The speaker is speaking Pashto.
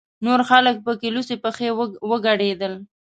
نور خلک پکې لوڅې پښې ورګډېدل.